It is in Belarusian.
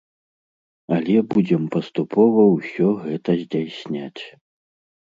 Але будзем паступова ўсё гэта здзяйсняць.